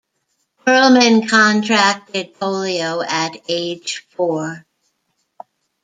Perlman contracted polio at age four.